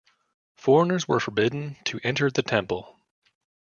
Foreigners were forbidden to enter the temple.